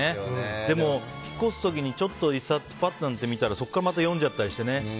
でも、引っ越す時にちょっと１冊パッと見たらそこからまた読んじゃったりしてね。